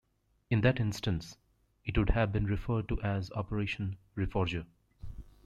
In that instance, it would have been referred to as Operation Reforger.